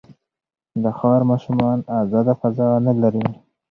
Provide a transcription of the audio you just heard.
د ښار ماشومان ازاده فضا نه لري.